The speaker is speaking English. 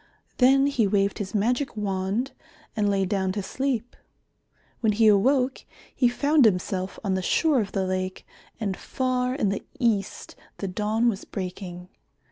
Then he waved his magic wand and lay down to sleep. When he awoke, he found himself on the shore of the lake, and far in the east the dawn was breaking.